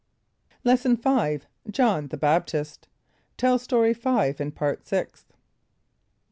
= Lesson V. John the Baptist. (Tell Story 5 in Part Sixth.)